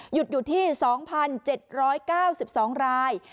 หยุดอยู่ที่๒๗๙๒ราย